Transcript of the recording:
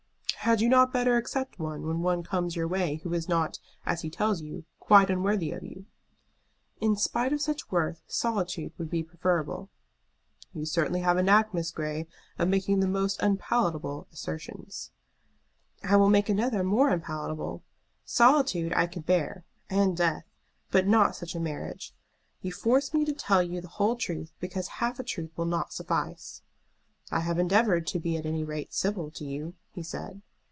"Had you not better accept one when one comes your way who is not, as he tells you, quite unworthy of you?" "In spite of such worth solitude would be preferable." "You certainly have a knack, Miss Grey, of making the most unpalatable assertions." "I will make another more unpalatable. Solitude I could bear, and death, but not such a marriage. You force me to tell you the whole truth because half a truth will not suffice." "I have endeavored to be at any rate civil to you," he said.